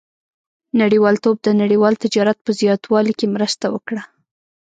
• نړیوالتوب د نړیوال تجارت په زیاتوالي کې مرسته وکړه.